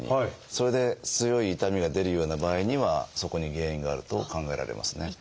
それで強い痛みが出るような場合にはそこに原因があると考えられますね。